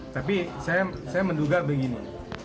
tapi saya menduga begini